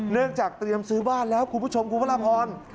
เนื่องจากเตรียมซื้อบ้านแล้วคุณผู้ชมคุณพระราพร